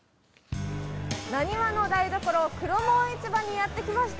なにわの台所、黒門市場にやって来ました。